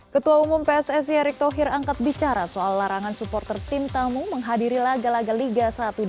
ketua umum pssi erick thohir angkat bicara soal larangan supporter tim tamu menghadiri laga laga liga satu dua ribu dua puluh tiga dua ribu dua puluh empat